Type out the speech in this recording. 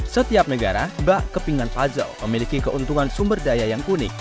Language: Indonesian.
setiap negara bak kepingan puzzle memiliki keuntungan sumber daya yang unik